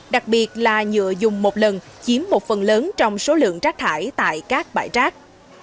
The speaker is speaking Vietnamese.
đặc biệt là dựa dùng một lần chiếm một phần lớn trong số lượng trác thải tại các bãi trác